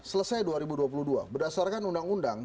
selesai dua ribu dua puluh dua berdasarkan undang undang